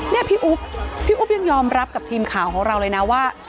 นี่พี่อุ๊บพี่อุ๊บยังยอมรับกับทีมข่าวของเราเลยนะว่า